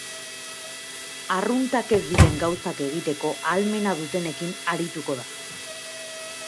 Arruntak ez diren gauzak egiteko ahalmena dutenekin arituko da.